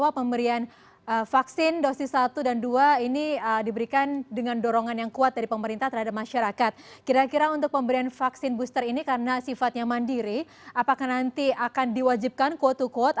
apakah nanti akan diwajibkan quote to quote